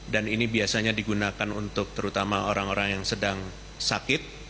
dan ini biasanya digunakan untuk terutama orang orang yang sedang sakit